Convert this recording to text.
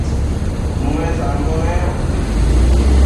muesambo neyoc